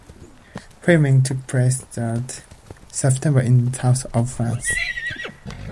Filming took place that September in the south of France.